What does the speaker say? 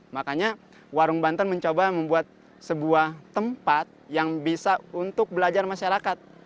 makanya warung banten mencoba membuat sebuah tempat yang bisa untuk belajar masyarakat